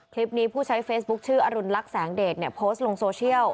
ผู้ใช้เฟซบุ๊คชื่ออรุณลักษณ์แสงเดชเนี่ยโพสต์ลงโซเชียล